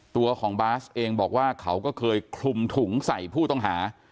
ตัวของบาสเองบอกว่าเขาก็เคยคลุมถุงใส่ผู้ต้องหา